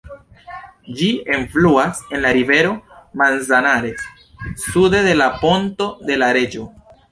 Ĝi elfluas en la rivero Manzanares, sude de la Ponto de la Reĝo.